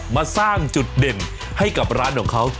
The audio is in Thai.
มาสร้างจุดเด่นให้กับร้านของเขา